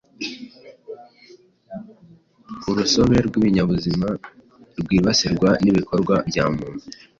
urusobe rw’ibinyabuzima rwibasirwa n’ibikorwa bya muntu